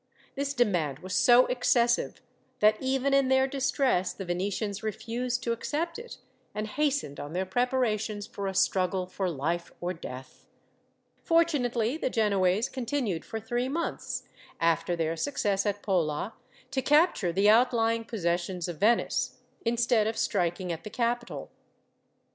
This demand was so excessive that, even in their distress, the Venetians refused to accept it, and hastened on their preparations for a struggle for life or death. Fortunately, the Genoese continued for three months, after their success at Pola, to capture the outlying possessions of Venice, instead of striking at the capital.